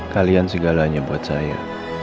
kalian segalanya buat saya